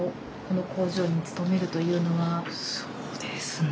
そうですね。